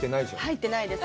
入ってないです。